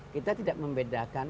kita tidak membedakan